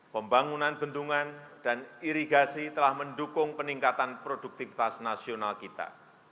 pembangunan bendungan dan irigasi telah mendukung peningkatan produktivitas nasional kita